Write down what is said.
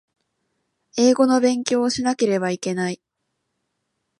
英語の勉強をしなければいけない